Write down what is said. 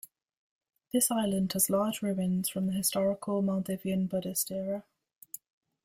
This island has large ruins from the historical Maldivian Buddhist era.